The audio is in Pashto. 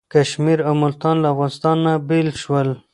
کشمیر او ملتان له افغانستان نه بیل شول.